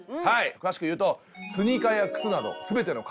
詳しく言うと。